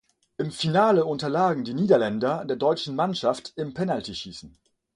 Im Finale unterlagen die Niederländer der deutschen Mannschaft im Penaltyschießen.